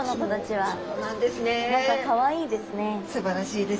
はい。